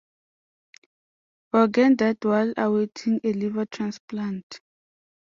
Vaughan died while awaiting a liver transplant.